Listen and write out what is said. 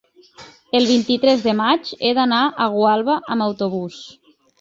el vint-i-tres de maig he d'anar a Gualba amb autobús.